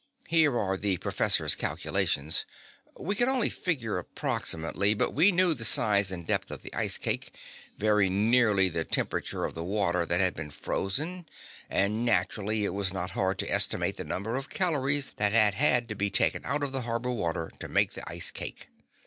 "Here are the professor's calculations. We could only figure approximately, but we knew the size and depth of the ice cake, very nearly the temperature of the water that had been frozen, and naturally it was not hard to estimate the number of calories that had had to be taken out of the harbor water to make the ice cake.